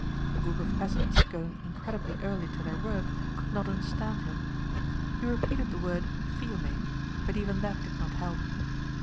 A group of peasants going incredibly early to their work could not understand him. He repeated the word Fiume but even that did not help.